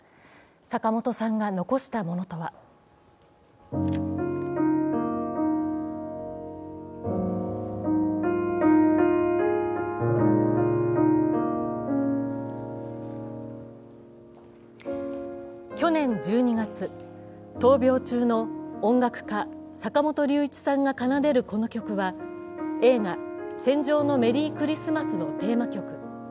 坂本さんが残したものとは去年１２月、闘病中の音楽家、坂本龍一さんが奏でるこの曲は映画「戦場のメリークリスマス」のテーマ曲。